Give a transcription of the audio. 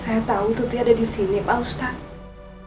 saya tahu tuti ada disini pak ustaz